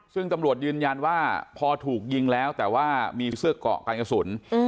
ซึ่งตำรวจยืนยันว่าพอถูกยิงแล้วแต่ว่ามีเสื้อเกาะการกระสุน